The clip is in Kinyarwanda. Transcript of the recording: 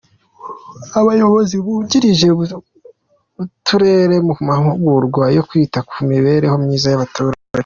Abayobozi bungirije b’Uturere mu mahugurwa yo kwita ku mibereho myiza y’abaturage